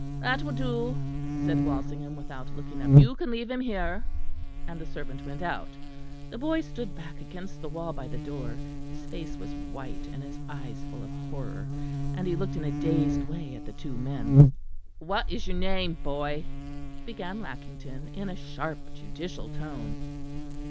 "That will do," said Walsingham, without looking up; "You can leave him here," and the servant went out. The boy stood back against the wall by the door, his face was white and his eyes full of horror, and he looked in a dazed way at the two men. "What is your name, boy?" began Lackington in a sharp, judicial tone.